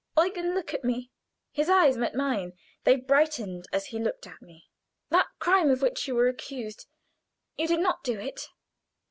"Eugen, look at me." His eyes met mine. They brightened as he looked at me. "That crime of which you were accused you did not do it."